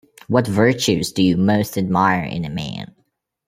What virtues do you most admire in a man?